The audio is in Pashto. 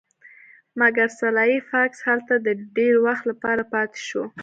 مګر سلای فاکس هلته د ډیر وخت لپاره پاتې نشو